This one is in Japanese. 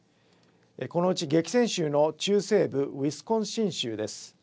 このうち激戦州の中西部ウィスコンシン州です。